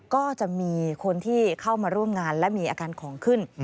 ก็จะมีคนที่เข้ามาร่วมงานและมีอาการของขึ้น